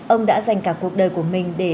ông đã dành cả cuộc đời của mình để